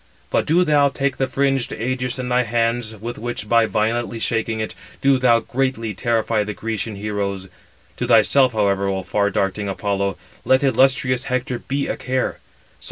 But do thou take the fringed ægis in thy hands, with which, by violently shaking it, do thou greatly terrify the Grecian heroes. To thyself, however, O far darting [Apollo], let illustrious Hector be a care.